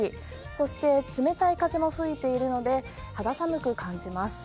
そして冷たい風も吹いているので肌寒く感じます。